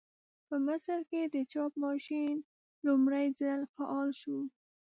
په مصر کې د چاپ ماشین لومړي ځل فعال شو.